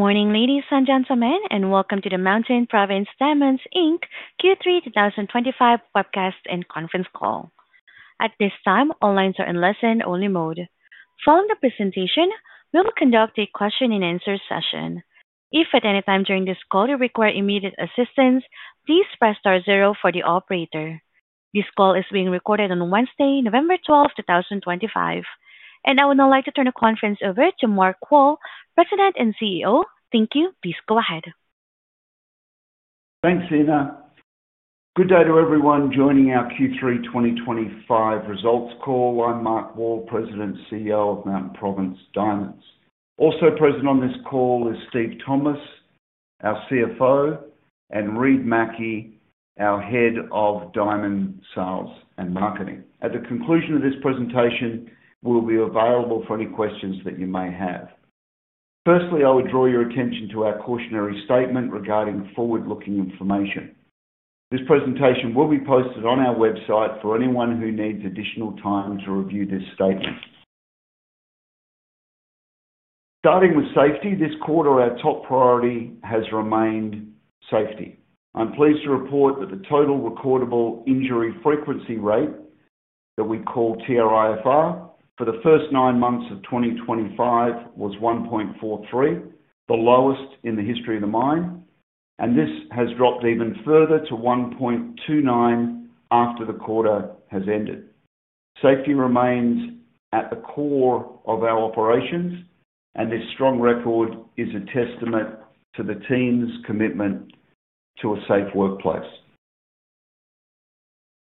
Good morning, ladies and gentlemen, and welcome to the Mountain Province Diamonds Q3 2025 webcast and conference call. At this time, all lines are in listen-only mode. Following the presentation, we will conduct a question-and-answer session. If at any time during this call you require immediate assistance, please press star zero for the operator. This call is being recorded on Wednesday, November 12, 2025, and I would now like to turn the conference over to Mark Wall, President and CEO. Thank you. Please go ahead. Thanks, Ina. Good day to everyone joining our Q3 2025 results call. I'm Mark Wall, President and CEO of Mountain Province Diamonds. Also present on this call is Steve Thomas, our CFO, and Reid Mackie, our Head of Diamond Sales and Marketing. At the conclusion of this presentation, we'll be available for any questions that you may have. Firstly, I would draw your attention to our cautionary statement regarding forward-looking information. This presentation will be posted on our website for anyone who needs additional time to review this statement. Starting with safety, this quarter our top priority has remained safety. I'm pleased to report that the total recordable injury frequency rate that we call TRIFR for the first nine months of 2025 was 1.43, the lowest in the history of the mine, and this has dropped even further to 1.29 after the quarter has ended. Safety remains at the core of our operations, and this strong record is a testament to the team's commitment to a safe workplace.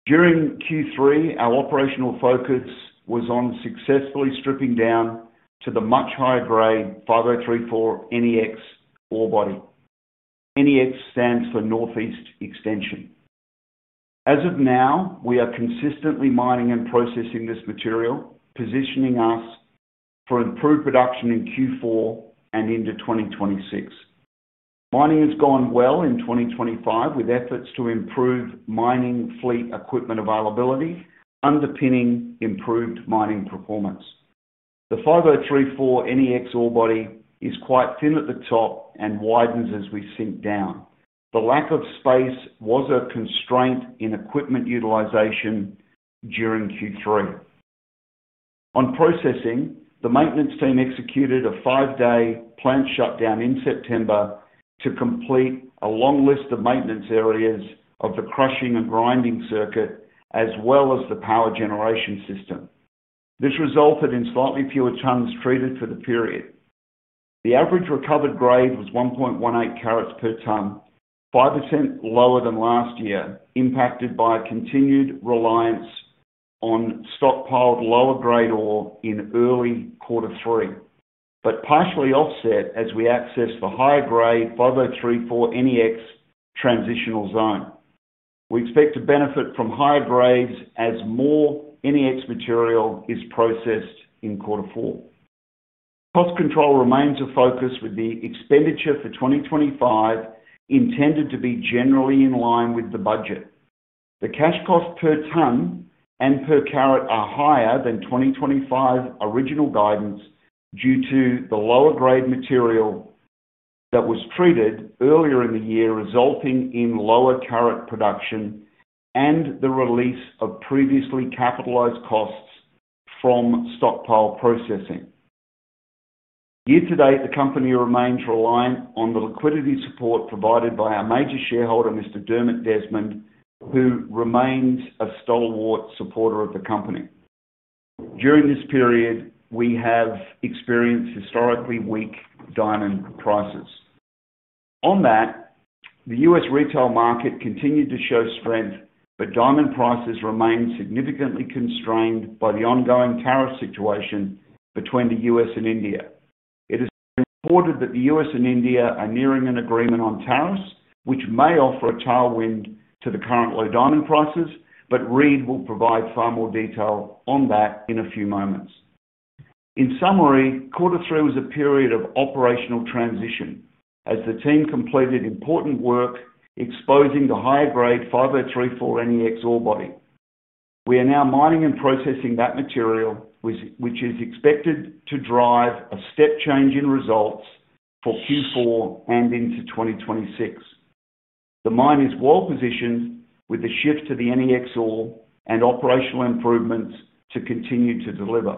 During Q3, our operational focus was on successfully stripping down to the much higher grade 5034-NEX ore body. NEX stands for Northeast Extension. As of now, we are consistently mining and processing this material, positioning us for improved production in Q4 and into 2026. Mining has gone well in 2025 with efforts to improve mining fleet equipment availability, underpinning improved mining performance. The 5034-NEX ore body is quite thin at the top and widens as we sink down. The lack of space was a constraint in equipment utilization during Q3. On processing, the maintenance team executed a five-day plant shutdown in September to complete a long list of maintenance areas of the crushing and grinding circuit, as well as the power generation system. This resulted in slightly fewer tons treated for the period. The average recovered grade was 1.18 carats per ton, 5% lower than last year, impacted by continued reliance on stockpiled lower grade ore in early quarter three, but partially offset as we access the higher grade 5034-NEX transitional zone. We expect to benefit from higher grades as more NEX material is processed in quarter four. Cost control remains a focus with the expenditure for 2025 intended to be generally in line with the budget. The cash cost per ton and per carat are higher than 2025 original guidance due to the lower grade material that was treated earlier in the year, resulting in lower carat production and the release of previously capitalized costs from stockpile processing. Year to date, the company remains reliant on the liquidity support provided by our major shareholder, Mr. Dermot Desmond, who remains a stalwart supporter of the company. During this period, we have experienced historically weak diamond prices. On that, the U.S. retail market continued to show strength, but diamond prices remain significantly constrained by the ongoing tariff situation between the U.S. and India. It is reported that the U.S. and India are nearing an agreement on tariffs, which may offer a tailwind to the current low diamond prices, but Reid will provide far more detail on that in a few moments. In summary, quarter three was a period of operational transition as the team completed important work exposing the higher grade 5034-NEX ore body. We are now mining and processing that material, which is expected to drive a step change in results for Q4 and into 2026. The mine is well positioned with the shift to the NEX ore and operational improvements to continue to deliver.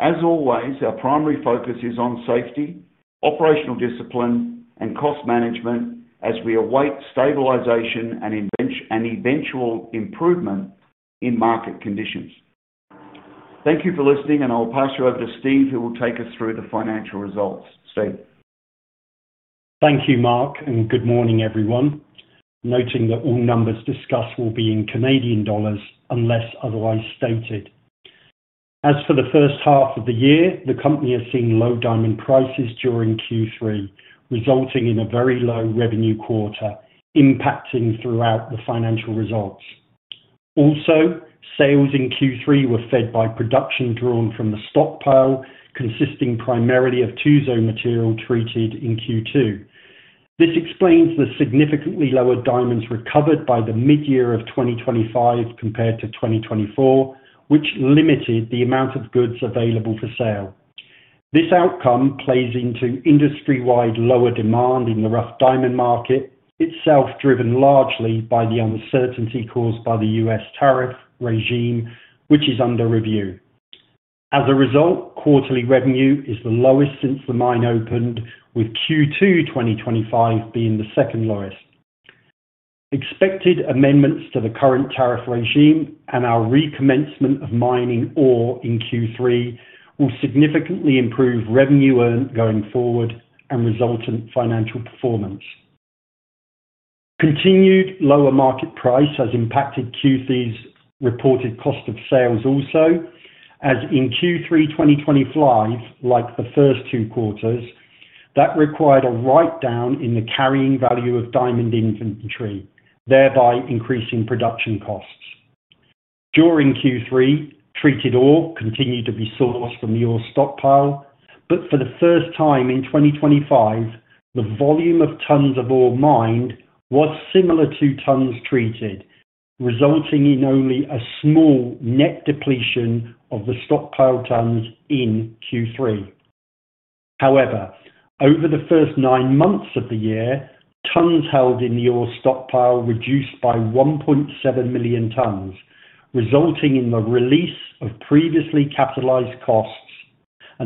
As always, our primary focus is on safety, operational discipline, and cost management as we await stabilization and eventual improvement in market conditions. Thank you for listening, and I will pass you over to Steve, who will take us through the financial results. Steve. Thank you, Mark, and good morning, everyone. Noting that all numbers discussed will be in CAD unless otherwise stated. As for the first half of the year, the company has seen low diamond prices during Q3, resulting in a very low revenue quarter, impacting throughout the financial results. Also, sales in Q3 were fed by production drawn from the stockpile, consisting primarily of Tuzo material treated in Q2. This explains the significantly lower diamonds recovered by the mid-year of 2025 compared to 2024, which limited the amount of goods available for sale. This outcome plays into industry-wide lower demand in the rough diamond market itself, driven largely by the uncertainty caused by the U.S. tariff regime, which is under review. As a result, quarterly revenue is the lowest since the mine opened, with Q2 2025 being the second lowest. Expected amendments to the current tariff regime and our recommencement of mining ore in Q3 will significantly improve revenue earned going forward and resultant financial performance. Continued lower market price has impacted Q3's reported cost of sales also, as in Q3 2025, like the first two quarters, that required a write-down in the carrying value of diamond inventory, thereby increasing production costs. During Q3, treated ore continued to be sourced from the ore stockpile. For the first time in 2025, the volume of tons of ore mined was similar to tons treated, resulting in only a small net depletion of the stockpile tons in Q3. However, over the first nine months of the year, tons held in the ore stockpile reduced by 1.7 million tons, resulting in the release of previously capitalized costs.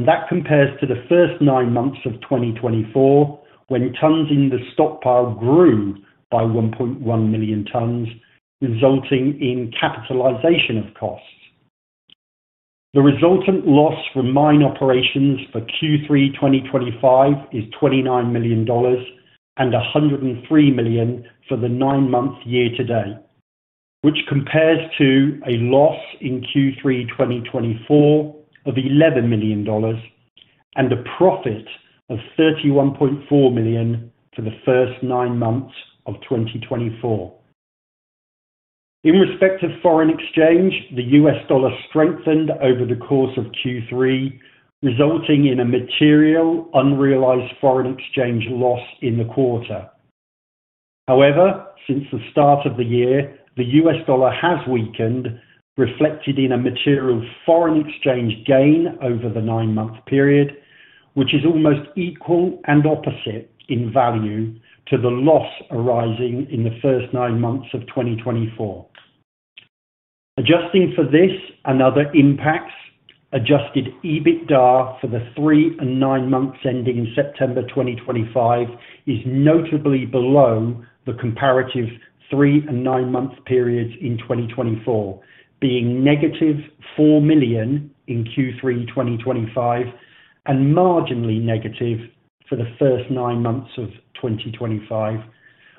That compares to the first nine months of 2024, when tons in the stockpile grew by 1.1 million tons, resulting in capitalization of costs. The resultant loss from mine operations for Q3 2025 is 29 million dollars and 103 million for the nine-month year to date, which compares to a loss in Q3 2024 of 11 million dollars and a profit of 31.4 million for the first nine months of 2024. In respect of foreign exchange, the US dollar strengthened over the course of Q3, resulting in a material unrealized foreign exchange loss in the quarter. However, since the start of the year, the US dollar has weakened, reflected in a material foreign exchange gain over the nine-month period, which is almost equal and opposite in value to the loss arising in the first nine months of 2024. Adjusting for this and other impacts, adjusted EBITDA for the three and nine months ending September 2025 is notably below the comparative three and nine-month periods in 2024, being negative 4 million in Q3 2025 and marginally negative for the first nine months of 2025,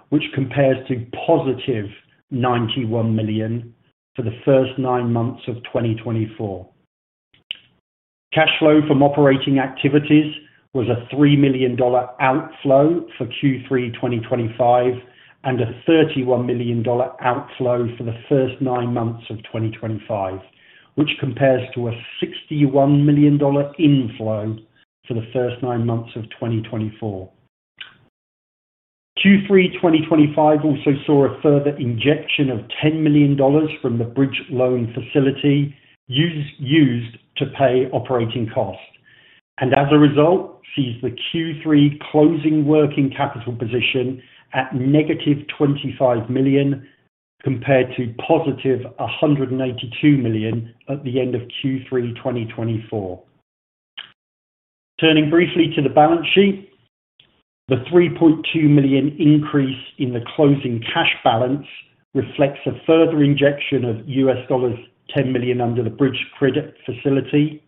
which compares to positive 91 million for the first nine months of 2024. Cash flow from operating activities was a 3 million dollar outflow for Q3 2025 and a 31 million dollar outflow for the first nine months of 2025, which compares to a 61 million dollar inflow for the first nine months of 2024. Q3 2025 also saw a further injection of 10 million dollars from the bridge loan facility used to pay operating costs, and as a result, sees the Q3 closing working capital position at negative 25 million compared to positive 182 million at the end of Q3 2024. Turning briefly to the balance sheet, the 3.2 million increase in the closing cash balance reflects a further injection of $10 million under the bridge credit facility,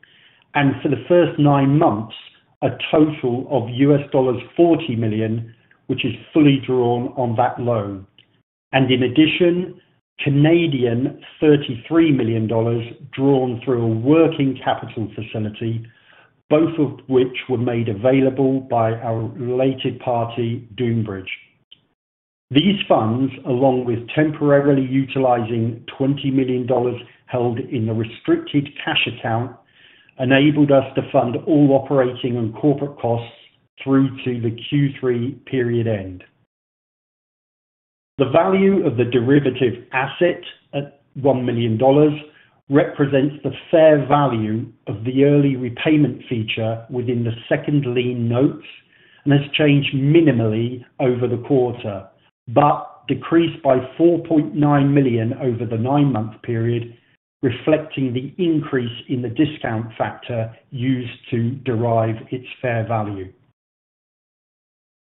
and for the first nine months, a total of $40 million, which is fully drawn on that loan. In addition, 33 million Canadian dollars drawn through a working capital facility, both of which were made available by our related party, Dunebridge. These funds, along with temporarily utilizing 20 million dollars held in the restricted cash account, enabled us to fund all operating and corporate costs through to the Q3 period end. The value of the derivative asset at 1 million dollars represents the fair value of the early repayment feature within the second lien notes and has changed minimally over the quarter, but decreased by 4.9 million over the nine-month period, reflecting the increase in the discount factor used to derive its fair value.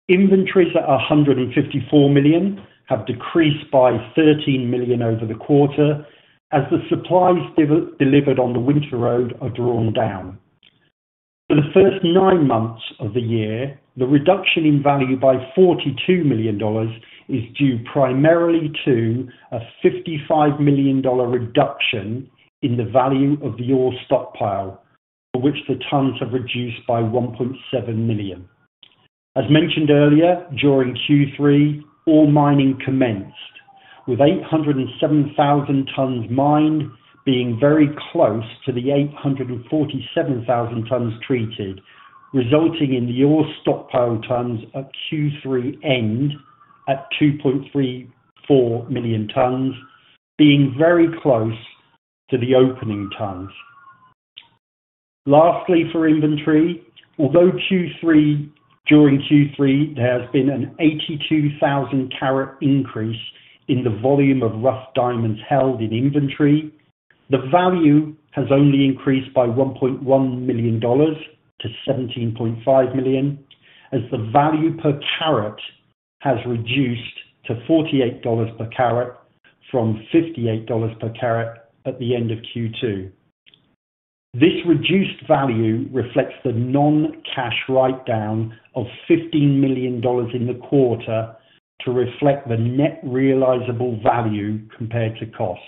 Inventories at 154 million have decreased by 13 million over the quarter as the supplies delivered on the winter road are drawn down. For the first nine months of the year, the reduction in value by 42 million dollars is due primarily to a 55 million dollar reduction in the value of the ore stockpile, for which the tons have reduced by 1.7 million. As mentioned earlier, during Q3, all mining commenced, with 807,000 tons mined being very close to the 847,000 tons treated, resulting in the ore stockpile tons at Q3 end at 2.34 million tons, being very close to the opening tons. Lastly, for inventory, although during Q3 there has been an 82,000 carat increase in the volume of rough diamonds held in inventory, the value has only increased by 1.1 million dollars to 17.5 million, as the value per carat has reduced to 48 dollars per carat from 58 dollars per carat at the end of Q2. This reduced value reflects the non-cash write-down of 15 million dollars in the quarter to reflect the net realizable value compared to costs.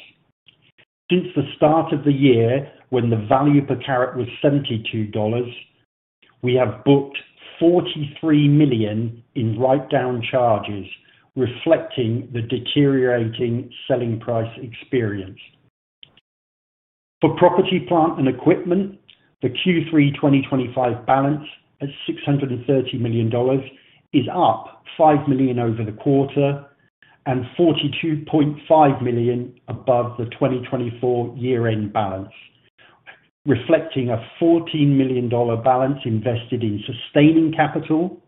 Since the start of the year, when the value per carat was 72 dollars, we have booked 43 million in write-down charges, reflecting the deteriorating selling price experience. For property, plant, and equipment, the Q3 2025 balance at 630 million dollars is up 5 million over the quarter and 42.5 million above the 2024 year-end balance, reflecting a 14 million dollar balance invested in sustaining capital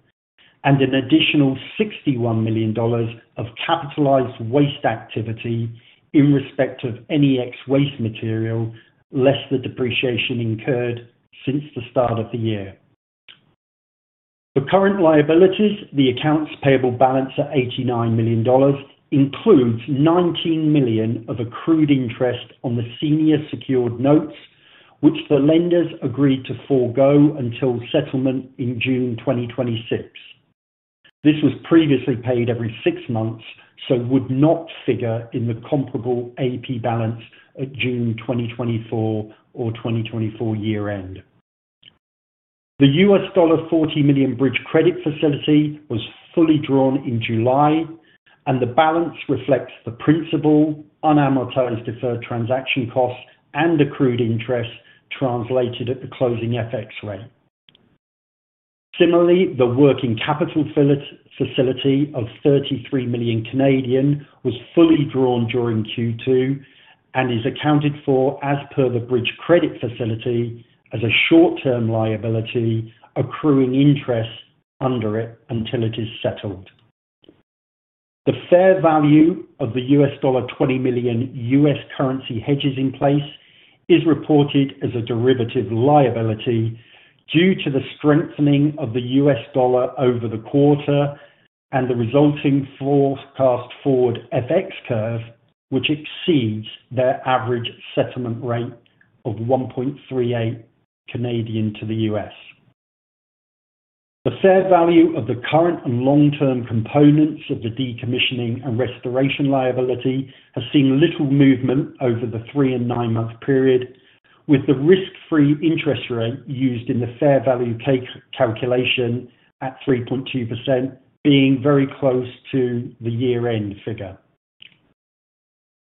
and an additional 61 million dollars of capitalized waste activity in respect of NEX waste material, less the depreciation incurred since the start of the year. For current liabilities, the accounts payable balance at 89 million dollars includes 19 million of accrued interest on the senior secured notes, which the lenders agreed to forego until settlement in June 2026. This was previously paid every six months, so would not figure in the comparable accounts payable balance at June 2024 or 2024 year-end. The CAD 40 million bridge credit facility was fully drawn in July, and the balance reflects the principal, unamortized deferred transaction costs, and accrued interest translated at the closing FX rate. Similarly, the working capital facility of 33 million was fully drawn during Q2 and is accounted for as per the bridge credit facility as a short-term liability accruing interest under it until it is settled. The fair value of the $20 million US dollar currency hedges in place is reported as a derivative liability due to the strengthening of the US dollar over the quarter and the resulting forecast forward FX curve, which exceeds their average settlement rate of 1.38 Canadian to the US dollar. The fair value of the current and long-term components of the decommissioning and restoration liability has seen little movement over the three and nine-month period, with the risk-free interest rate used in the fair value calculation at 3.2% being very close to the year-end figure.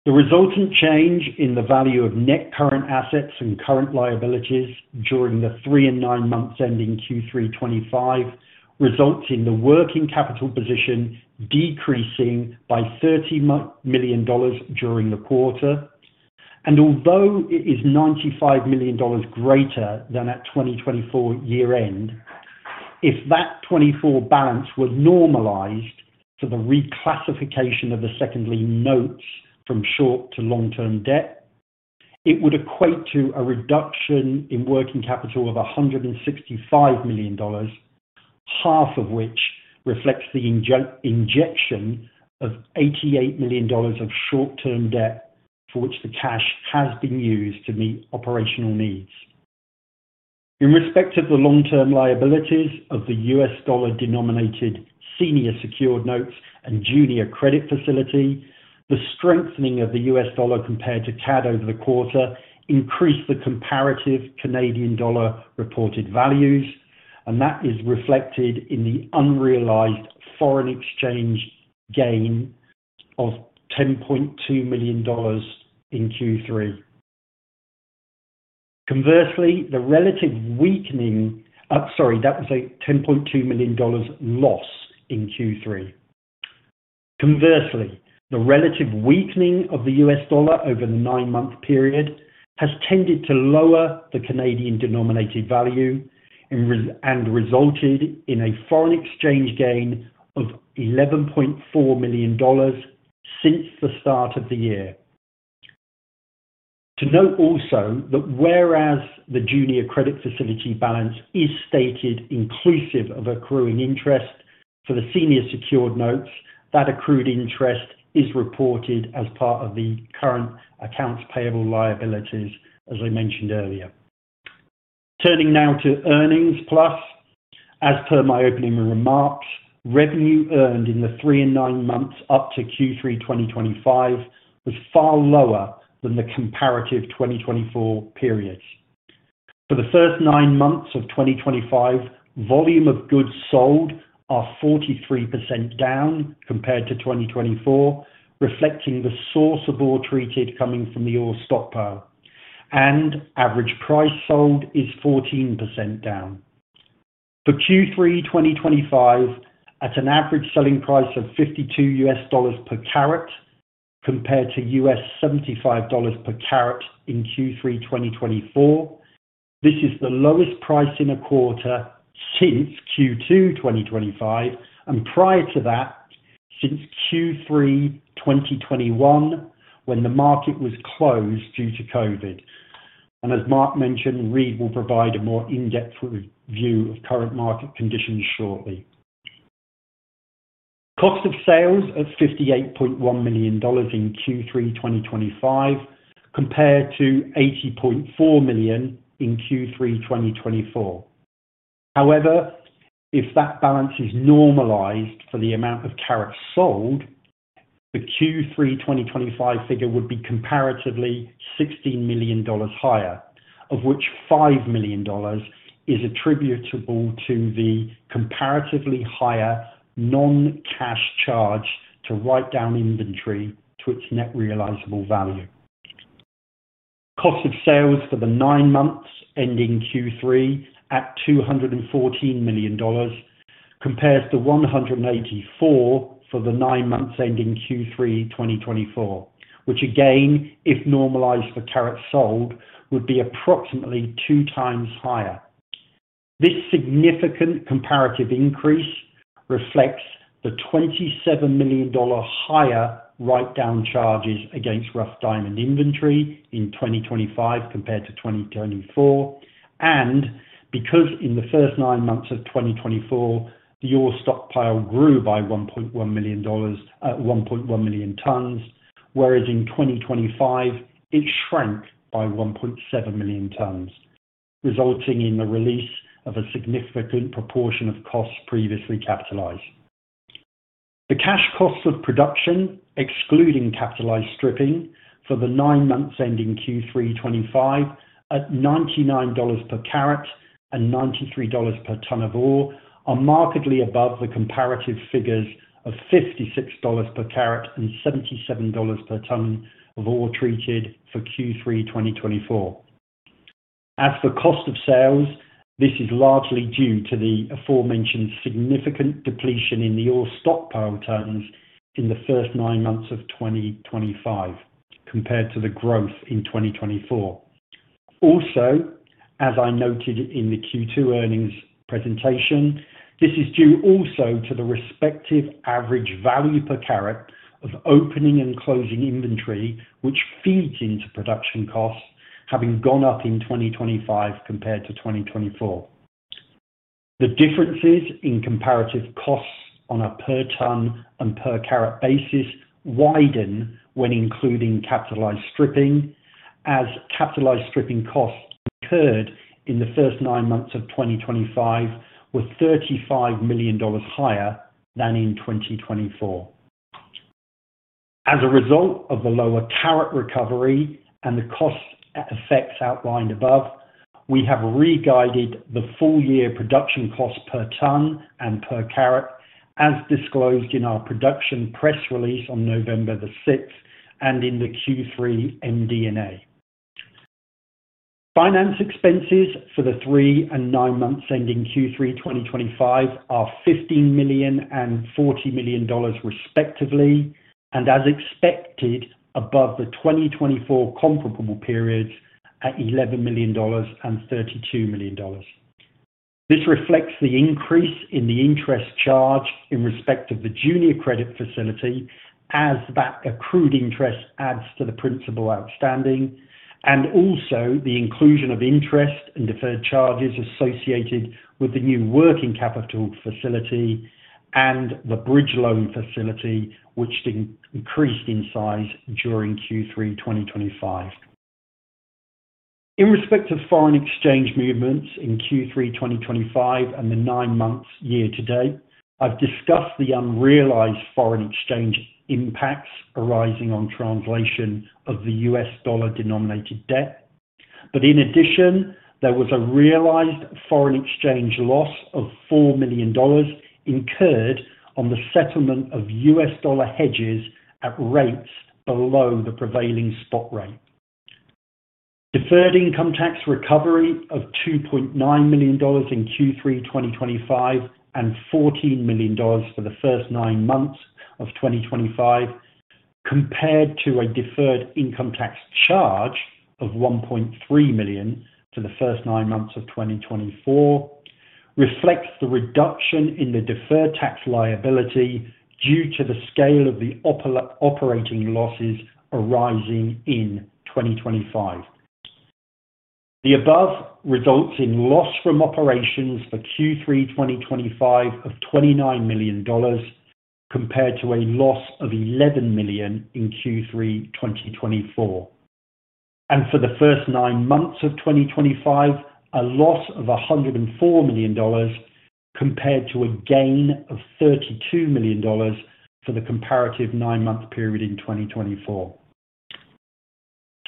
The resultant change in the value of net current assets and current liabilities during the three and nine months ending Q3 2025 results in the working capital position decreasing by 30 million dollars during the quarter. Although it is 95 million dollars greater than at 2024 year-end, if that 2024 balance were normalized for the reclassification of the second lien notes from short to long-term debt, it would equate to a reduction in working capital of 165 million dollars, half of which reflects the injection of 88 million dollars of short-term debt for which the cash has been used to meet operational needs. In respect of the long-term liabilities of the US dollar-denominated senior secured notes and junior credit facility, the strengthening of the US dollar compared to CAD over the quarter increased the comparative Canadian dollar reported values, and that is reflected in the unrealized foreign exchange gain of CAD 10.2 million in Q3. Conversely, the relative weakening—sorry, that was a 10.2 million dollars loss in Q3. Conversely, the relative weakening of the US dollar over the nine-month period has tended to lower the Canadian denominated value and resulted in a foreign exchange gain of 11.4 million dollars since the start of the year. To note also that whereas the junior credit facility balance is stated inclusive of accruing interest for the senior secured notes, that accrued interest is reported as part of the current accounts payable liabilities, as I mentioned earlier. Turning now to earnings plus, as per my opening remarks, revenue earned in the three and nine months up to Q3 2025 was far lower than the comparative 2024 period. For the first nine months of 2025, volume of goods sold are 43% down compared to 2024, reflecting the source of ore treated coming from the ore stockpile. Average price sold is 14% down. For Q3 2025, at an average selling price of $52 per carat compared to $75 per carat in Q3 2024, this is the lowest price in a quarter since Q2 2025 and prior to that since Q3 2021 when the market was closed due to COVID. As Mark mentioned, Reid will provide a more in-depth review of current market conditions shortly. Cost of sales at 58.1 million dollars in Q3 2025 compared to 80.4 million in Q3 2024. However, if that balance is normalized for the amount of carats sold, the Q3 2025 figure would be comparatively 16 million dollars higher, of which 5 million dollars is attributable to the comparatively higher non-cash charge to write down inventory to its net realizable value. Cost of sales for the nine months ending Q3 at 214 million dollars compares to 184 million for the nine months ending Q3 2024, which again, if normalized for carats sold, would be approximately two times higher. This significant comparative increase reflects the 27 million dollar higher write-down charges against rough diamond inventory in 2025 compared to 2024. Because in the first nine months of 2024, the ore stockpile grew by 1.1 million tons, whereas in 2025 it shrank by 1.7 million tons, resulting in the release of a significant proportion of costs previously capitalized. The cash costs of production, excluding capitalized stripping, for the nine months ending Q3 2025 at 99 dollars per carat and 93 dollars per ton of ore are markedly above the comparative figures of 56 dollars per carat and 77 dollars per ton of ore treated for Q3 2024. As for cost of sales, this is largely due to the aforementioned significant depletion in the ore stockpile tons in the first nine months of 2025 compared to the growth in 2024. Also, as I noted in the Q2 earnings presentation, this is due also to the respective average value per carat of opening and closing inventory, which feeds into production costs having gone up in 2025 compared to 2024. The differences in comparative costs on a per ton and per carat basis widen when including capitalized stripping, as capitalized stripping costs incurred in the first nine months of 2025 were 35 million dollars higher than in 2024. As a result of the lower carat recovery and the cost effects outlined above, we have re-guided the full-year production costs per ton and per carat as disclosed in our production press release on November the 6th and in the Q3 MD&A. Finance expenses for the three and nine months ending Q3 2025 are 15 million and 40 million dollars respectively, and as expected, above the 2024 comparable periods at 11 million dollars and 32 million dollars. This reflects the increase in the interest charge in respect of the junior credit facility as that accrued interest adds to the principal outstanding, and also the inclusion of interest and deferred charges associated with the new working capital facility and the bridge loan facility, which increased in size during Q3 2025. In respect of foreign exchange movements in Q3 2025 and the nine months year-to-date, I have discussed the unrealized foreign exchange impacts arising on translation of the US dollar-denominated debt. In addition, there was a realized foreign exchange loss of 4 million dollars incurred on the settlement of US dollar hedges at rates below the prevailing spot rate. Deferred income tax recovery of 2.9 million dollars in Q3 2025 and 14 million dollars for the first nine months of 2025, compared to a deferred income tax charge of 1.3 million for the first nine months of 2024, reflects the reduction in the deferred tax liability due to the scale of the operating losses arising in 2025. The above results in loss from operations for Q3 2025 of 29 million dollars compared to a loss of 11 million in Q3 2024. For the first nine months of 2025, a loss of 104 million dollars compared to a gain of 32 million dollars for the comparative nine-month period in 2024.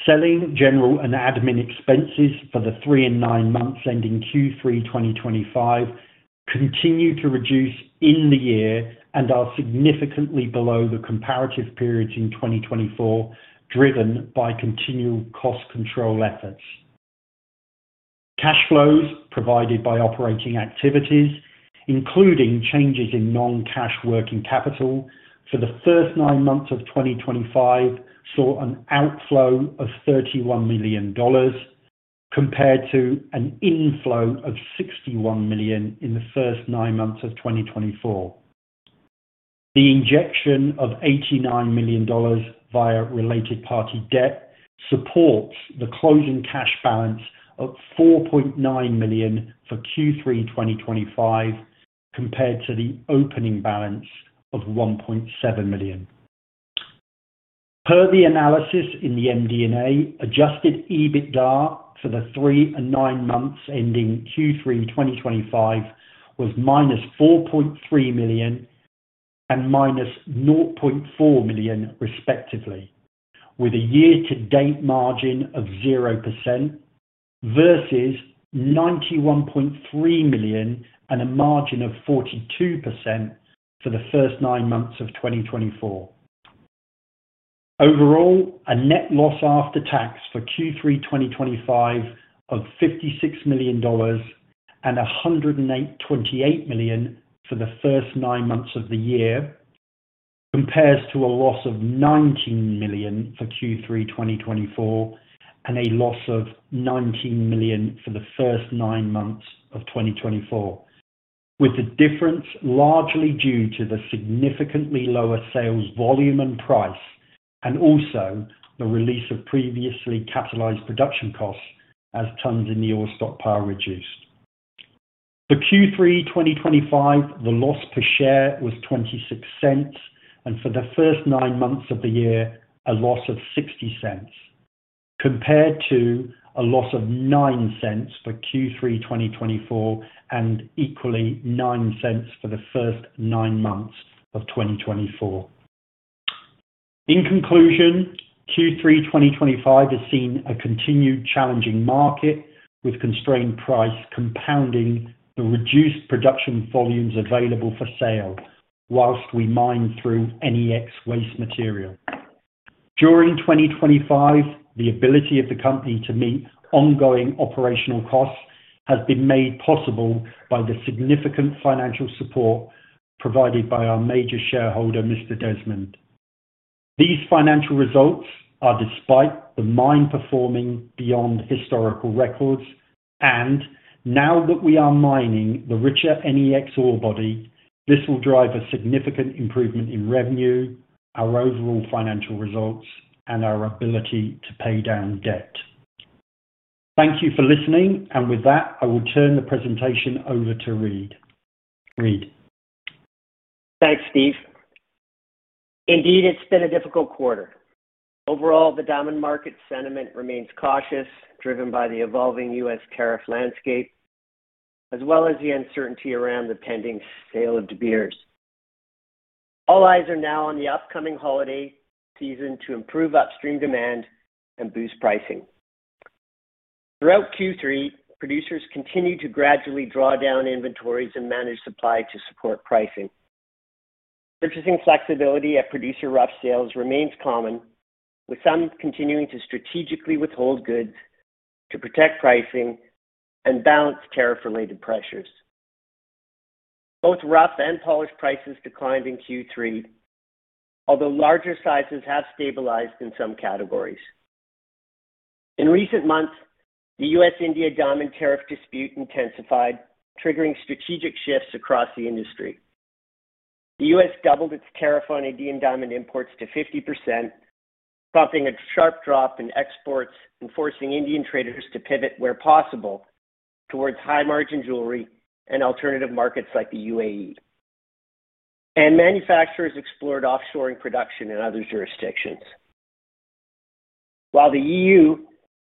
Selling, general, and admin expenses for the three and nine months ending Q3 2025 continue to reduce in the year and are significantly below the comparative periods in 2024, driven by continual cost control efforts. Cash flows provided by operating activities, including changes in non-cash working capital, for the first nine months of 2025 saw an outflow of 31 million dollars compared to an inflow of 61 million in the first nine months of 2024. The injection of 89 million dollars via related party debt supports the closing cash balance of 4.9 million for Q3 2025 compared to the opening balance of 1.7 million. Per the analysis in the MD&A, adjusted EBITDA for the three and nine months ending Q3 2025 was -4.3 million and -0.4 million respectively, with a year-to-date margin of 0% versus 91.3 million and a margin of 42% for the first nine months of 2024. Overall, a net loss after tax for Q3 2025 of 56 million dollars and 108.28 million for the first nine months of the year compares to a loss of 19 million for Q3 2024 and a loss of 19 million for the first nine months of 2024, with the difference largely due to the significantly lower sales volume and price and also the release of previously capitalized production costs as tons in the ore stockpile reduced. For Q3 2025, the loss per share was 0.26, and for the first nine months of the year, a loss of 0.60, compared to a loss of 0.09 for Q3 2024 and equally 0.09 for the first nine months of 2024. In conclusion, Q3 2025 has seen a continued challenging market with constrained price compounding the reduced production volumes available for sale whilst we mine through 5034-NEX waste material. During 2025, the ability of the company to meet ongoing operational costs has been made possible by the significant financial support provided by our major shareholder, Mr. Desmond. These financial results are despite the mine performing beyond historical records, and now that we are mining the richer 5034-NEX ore body, this will drive a significant improvement in revenue, our overall financial results, and our ability to pay down debt. Thank you for listening, and with that, I will turn the presentation over to Reid. Reid. Thanks, Steve. Indeed, it's been a difficult quarter. Overall, the diamond market sentiment remains cautious, driven by the evolving US tariff landscape, as well as the uncertainty around the pending sale of De Beers. All eyes are now on the upcoming holiday season to improve upstream demand and boost pricing. Throughout Q3, producers continue to gradually draw down inventories and manage supply to support pricing. Purchasing flexibility at producer rough sales remains common, with some continuing to strategically withhold goods to protect pricing and balance tariff-related pressures. Both rough and polished prices declined in Q3, although larger sizes have stabilized in some categories. In recent months, the U.S.-India diamond tariff dispute intensified, triggering strategic shifts across the industry. The U.S. doubled its tariff on Indian diamond imports to 50%, prompting a sharp drop in exports and forcing Indian traders to pivot where possible towards high-margin jewelry and alternative markets like the UAE. Manufacturers explored offshoring production in other jurisdictions. While the EU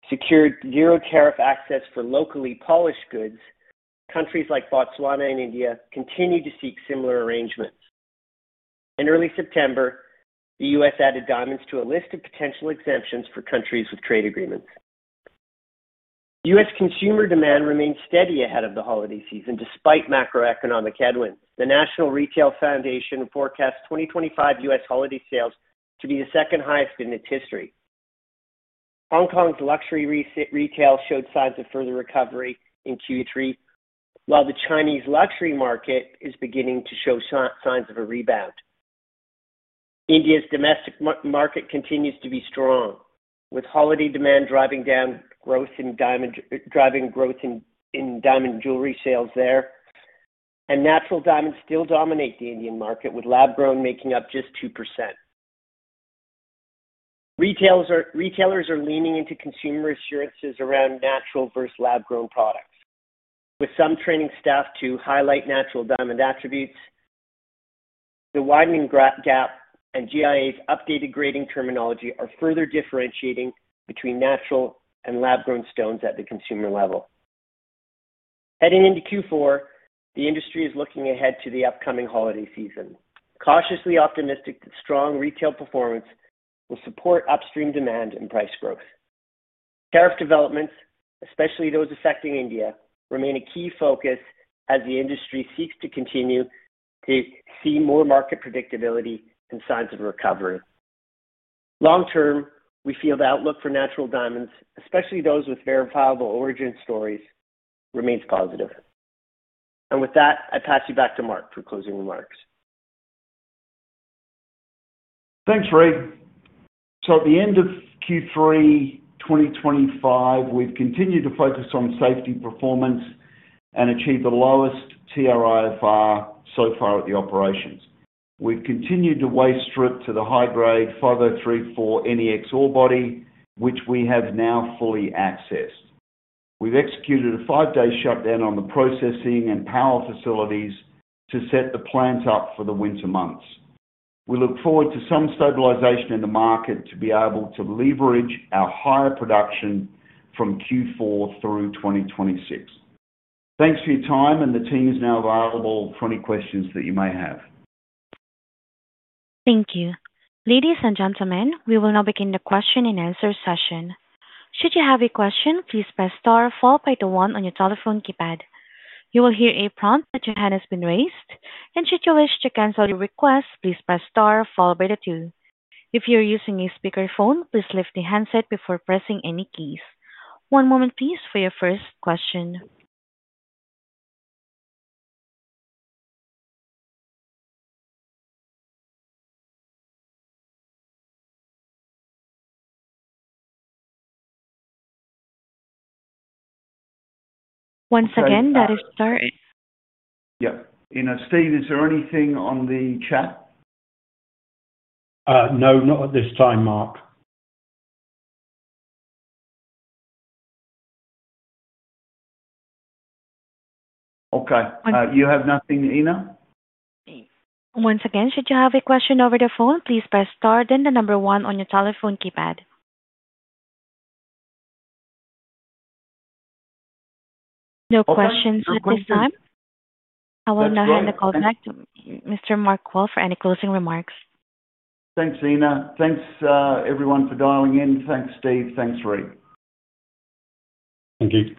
secured zero tariff access for locally polished goods, countries like Botswana and India continue to seek similar arrangements. In early September, the U.S. added diamonds to a list of potential exemptions for countries with trade agreements. U.S. consumer demand remains steady ahead of the holiday season despite macroeconomic headwinds. The National Retail Foundation forecasts 2025 U.S. holiday sales to be the second highest in its history. Hong Kong's luxury retail showed signs of further recovery in Q3, while the Chinese luxury market is beginning to show signs of a rebound. India's domestic market continues to be strong, with holiday demand driving down growth in diamond jewelry sales there, and natural diamonds still dominate the Indian market, with lab-grown making up just 2%. Retailers are leaning into consumer assurances around natural versus lab-grown products, with some training staff to highlight natural diamond attributes. The widening gap and GIA's updated grading terminology are further differentiating between natural and lab-grown stones at the consumer level. Heading into Q4, the industry is looking ahead to the upcoming holiday season, cautiously optimistic that strong retail performance will support upstream demand and price growth. Tariff developments, especially those affecting India, remain a key focus as the industry seeks to continue to see more market predictability and signs of recovery. Long term, we feel the outlook for natural diamonds, especially those with verifiable origin stories, remains positive. With that, I pass you back to Mark for closing remarks. Thanks, Reid. At the end of Q3 2025, we've continued to focus on safety performance and achieved the lowest TRIFR so far at the operations. We've continued to waste strip to the high-grade 5034-NEX ore body, which we have now fully accessed. We've executed a five-day shutdown on the processing and power facilities to set the plants up for the winter months. We look forward to some stabilization in the market to be able to leverage our higher production from Q4 through 2026. Thanks for your time, and the team is now available for any questions that you may have. Thank you. Ladies and gentlemen, we will now begin the question and answer session. Should you have a question, please press star followed by the one on your telephone keypad. You will hear a prompt that your hand has been raised, and should you wish to cancel your request, please press star followed by the two. If you're using a speakerphone, please lift the handset before pressing any keys. One moment, please, for your first question. Once again, that is star. Yeah. Ina, Steve, is there anything on the chat? No, not at this time, Mark. Okay. You have nothing, Ina? Once again, should you have a question over the phone, please press star then the number one on your telephone keypad. No questions at this time. I will now hand the call back to Mr. Mark Wall for any closing remarks. Thanks, Ina. Thanks, everyone, for dialing in. Thanks, Steve. Thanks, Reid. Thank you.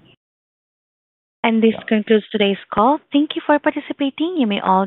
This concludes today's call. Thank you for participating. You may all.